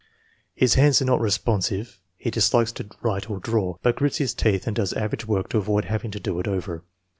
His hands are not responsive; he dis likes to write or draw, but grits his teeth and does average work to avoid having to do it over.